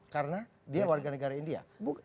karena dia warga negara india